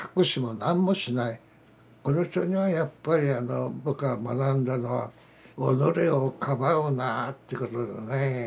この人にはやっぱり僕が学んだのは「己をかばうな」ってことでねえ。